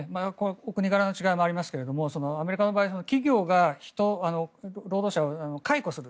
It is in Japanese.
お国柄の違いもありますがアメリカの場合は企業が人労働者を解雇する。